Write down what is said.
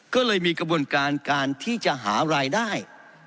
ก็เลยมีกระบวนการการที่จะหารายได้